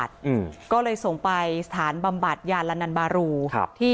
พระเจ้าอาวาสกันหน่อยนะครับ